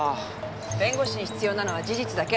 弁護士に必要なのは事実だけ。